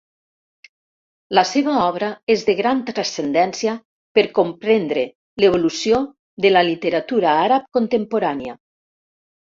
La seva obra és de gran transcendència per comprendre l'evolució de la literatura àrab contemporània.